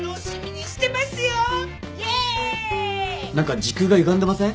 何か時空がゆがんでません？